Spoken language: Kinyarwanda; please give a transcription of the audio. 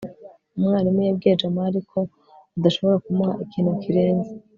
umwarimu yabwiye jamali ko adashobora kumuha ikintu kirenze